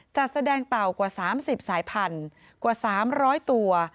จัดแสดงเต่ากว่า๓๐สายพันธุ์กว่า๓๐๐ตัว